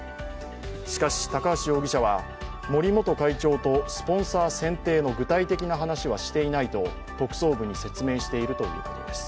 しかし、高橋容疑者は森元会長とスポンサー選定の具体的な話はしていないと特捜部に説明しているということです。